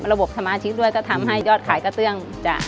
ระบบสมาชิกด้วยก็ทำให้ยอดขายกระเตื้องจะ